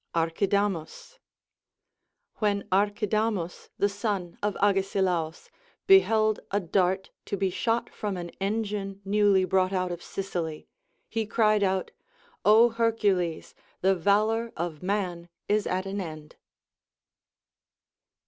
Archidamus. Λνΐιεη Archidamus, the son of Agesilaus, beheld a dart to be shot from an engine newly brought out of Sicily, he cried out, Ο Hercules ! .the valor of man is at an end.